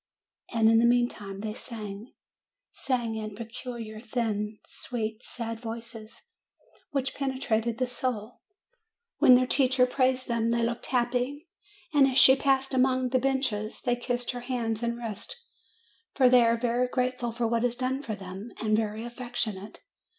And in the meantime, they sang ; sang in peculiar, thin, SACRIFICE 247 sweet, sad voices, which penetrated the soul. When their teacher praised them, they looked happy; and as she passed among the benches, they kissed her hands and wrists ; for they are very grateful for what is done for them, and very affectionate.